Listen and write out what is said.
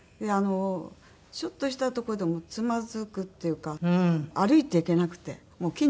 ちょっとしたとこでもつまずくっていうか歩いていけなくてもう筋肉がないんで。